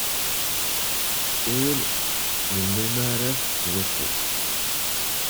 Ur tennumm ara tettzuxxu.